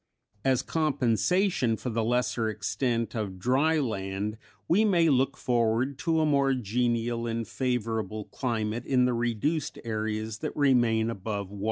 As compensation for the lesser extent of dry land we may look forward to a more genial and favorable climate in the reduced areas that remain above water.